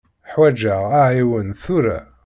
Ḥwaǧeɣ aɛiwen tura.